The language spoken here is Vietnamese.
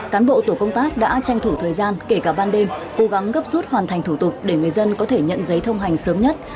cán bộ tổ công tác đã tranh thủ thời gian kể cả ban đêm cố gắng gấp rút hoàn thành thủ tục để người dân có thể nhận giấy thông hành sớm nhất